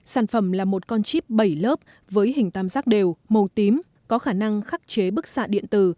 sản phẩm là một con chip bảy lớp với hình tam giác đều màu tím có khả năng khắc chế bức xạ điện tử